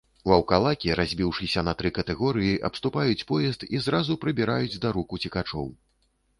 Ваўкалакі, разбіўшыся на тры катэгорыі, абступаюць поезд і зразу прыбіраюць да рук уцекачоў.